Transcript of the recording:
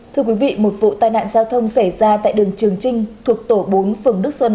thưa quý vị một vụ tai nạn giao thông xảy ra tại đường trường trinh thuộc tổ bốn phường đức xuân